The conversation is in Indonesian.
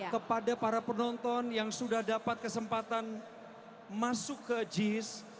kepada para penonton yang sudah dapat kesempatan masuk ke jis